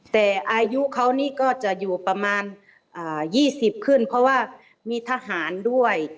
แต่อายุเขานี่ก็จะอยู่ประมาณ๒๐ขึ้นเพราะว่ามีทหารด้วย